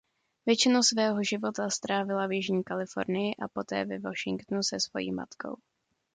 Většinu svého života strávila v jižní Kalifornii a poté ve Washingtonu se svojí matkou.